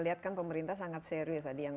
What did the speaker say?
lihat kan pemerintah sangat serius tadi yang